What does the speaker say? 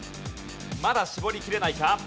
まだ絞りきれないか？